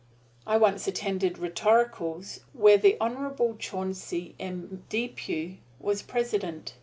I once attended "rhetoricals" where the Honorable Chauncey M. Depew was present.